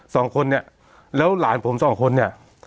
สองคนเนี่ยแล้วหลานผมสองคนเนี่ย